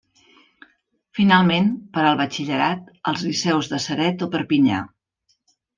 Finalment, per al batxillerat, als Liceus de Ceret o Perpinyà.